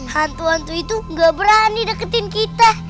hantu hantu itu gak berani deketin kita